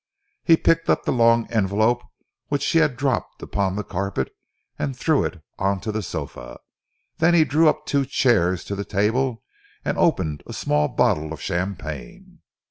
He picked up the long envelope which she had dropped upon the carpet, and threw it on to the sofa. Then he drew up two chairs to the table, and opened a small bottle of champagne.